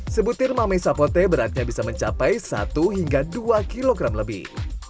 sebutir mame sapote beratnya bisa mencapai satu hingga dua kilogram lebih